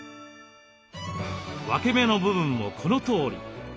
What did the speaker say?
分け目の部分もこのとおり。